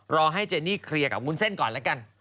รอให้เจนี่เคลียร์กับวุ้นเส้นก่อนแล้วกัน